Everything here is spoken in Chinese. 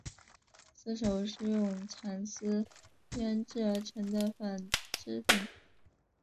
丝绸是用蚕丝编制而成的纺织品。